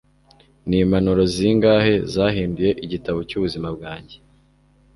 Nimpapuro zingahe zahinduye igitabo cyubuzima bwanjye